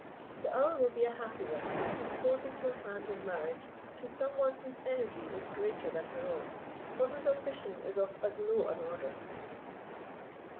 The hour will be a happy one which disposes her hand in marriage to some one whose energy is greater than her own, or whose ambition is of as low an order."